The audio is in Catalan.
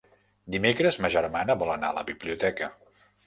Dimecres ma germana vol anar a la biblioteca.